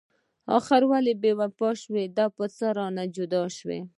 اخر ولې بې وفا شوي؟ دا په څه رانه جدا شوي؟